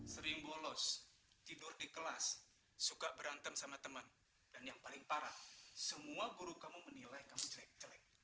sering bolos tidur di kelas suka berantem sama teman dan yang paling parah semua guru kamu menilai kamu jelek jelek